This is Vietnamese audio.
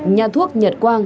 nhà thuốc nhận qua